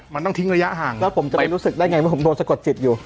มันต้องทิ้งระยะห่างแล้วผมจะไปรู้สึกได้ไงว่าผมโดนสะกดจิตอยู่